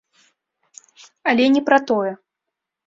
Але не пра тое.